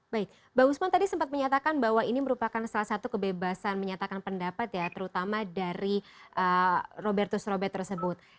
baik pak usman tadi sempat menyatakan bahwa ini merupakan salah satu kebebasan menyatakan pendapat ya terutama dari robertus robert tersebut